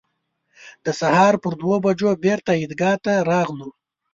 د سهار پر دوه بجو بېرته عیدګاه ته راغلو.